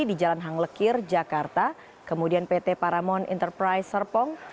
di jalan hang lekir jakarta kemudian pt paramond enterprise serpong